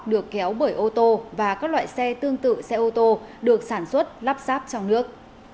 được kéo bởi ô tô và các loại xe tương tự xe ô tô được sản xuất lắp sáp trong nước